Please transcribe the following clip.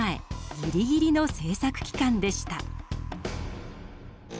ギリギリの制作期間でした。